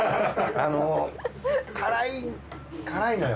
あの辛いのよ。